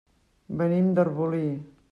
Venim d'Arbolí.